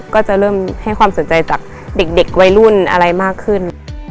ก็จะเริ่มให้ความสนใจจากเด็กวัยรุ่นอะไรมากขึ้น